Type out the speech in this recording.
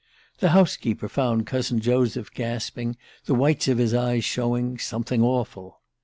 The house keeper found cousin Joseph gasping, the whites of his eyes showing "something awful."